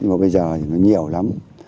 nhưng mà bây giờ thì nó nhiều lắm